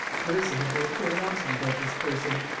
Clarissa had no curiosity about this person.